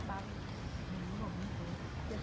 ขอบคุณอีกเลย